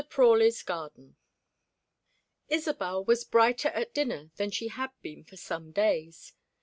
PRAWLEY'S GARDEN ISOBEL was brighter at dinner than she had been for some days.